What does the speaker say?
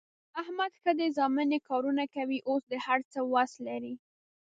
احمد ښه دی زامن یې کارونه کوي، اوس د هر څه وس لري.